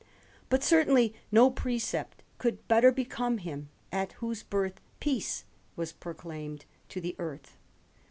But certainly no precept could better become him, at whose birth peace was proclaimed to the earth.